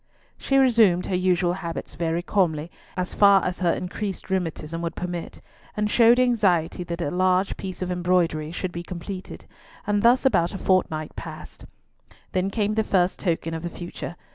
She resumed her usual habits very calmly, as far as her increased rheumatism would permit, and showed anxiety that a large piece of embroidery should be completed, and thus about a fortnight passed. Then came the first token of the future.